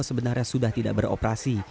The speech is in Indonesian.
sebenarnya sudah tidak beroperasi